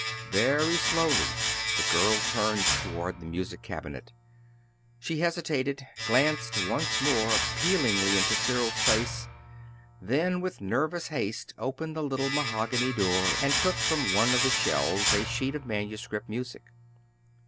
Very slowly the girl turned toward the music cabinet. She hesitated, glanced once more appealingly into Cyril's face, then with nervous haste opened the little mahogany door and took from one of the shelves a sheet of manuscript music.